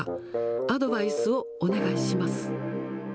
アドバイスをお願いします。